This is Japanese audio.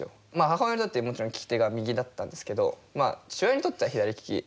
母親にとってもちろん利き手が右だったんですけど父親にとっては左利き。